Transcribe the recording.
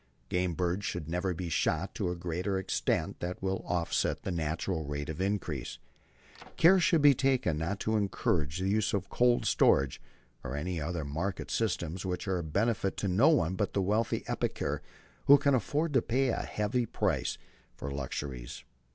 Game birds should never be shot to a greater extent than will offset the natural rate of increase. ... Care should be taken not to encourage the use of cold storage or other market systems which are a benefit to no one but the wealthy epicure who can afford to pay a heavy price for luxuries.